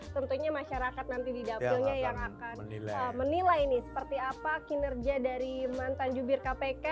tentunya masyarakat nanti di dapilnya yang akan menilai nih seperti apa kinerja dari mantan jubir kpk